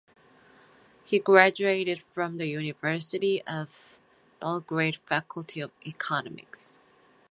He graduated from the University of Belgrade Faculty of Economics.